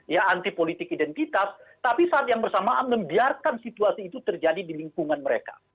ya anti politik identitas tapi saat yang bersamaan membiarkan situasi itu terjadi di lingkungan mereka